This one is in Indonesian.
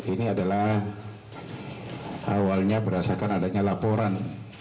ini adalah awalnya berdasarkan adanya laporan